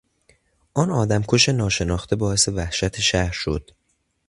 آن آدمکش ناشناخته باعث وحشت شهر شد.